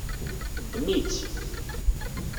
Ddem-itt.